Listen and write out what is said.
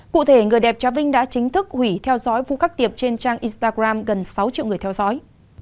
cụ thể người đẹp tra vinh đã chính thức hủy theo dõi vụ khắc tiệp trên trang instagram gần sáu triệu người theo dõi